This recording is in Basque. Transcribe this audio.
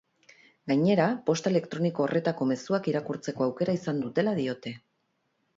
Gainera, posta elektroniko horretako mezuak irakurtzeko aukera izan dutela diote.